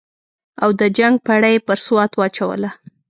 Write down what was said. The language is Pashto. او د جنګ پړه یې پر سوات واچوله.